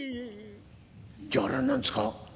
じゃああれは何ですか？